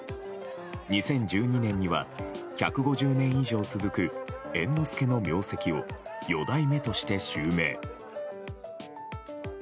２０１２年には１５０年以上続く猿之助の名跡を四代目として襲名しました。